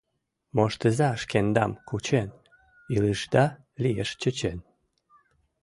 Моштыза шкендам кучен — илышда лиеш чечен.